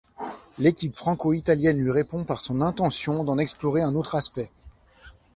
L'équipe franco-italienne lui répond par son intention d'en explorer un autre aspect.